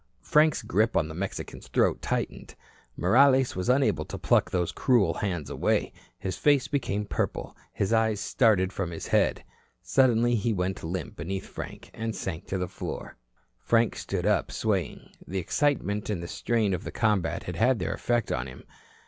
Frank's grip on the Mexican's throat tightened. Morales was unable to pluck those cruel hands away. His face became purple. His eyes started from his head. Suddenly he went limp beneath Frank, and sank to the floor. Frank stood up swaying. The excitement and the strain of the combat had had their effect on him.